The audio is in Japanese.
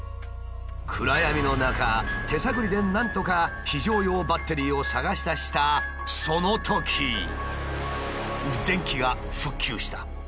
暗闇の中手探りでなんとか非常用バッテリーを探しだしたそのとき電気が復旧した。